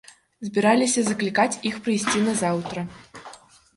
Збіраліся заклікаць іх прыйсці назаўтра.